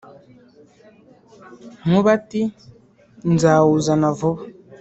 Nkuba ati « nzawuzana vuba.